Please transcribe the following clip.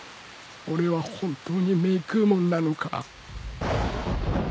俺は本当にメイクーモンなのか？